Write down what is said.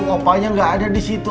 opanya nggak ada di situ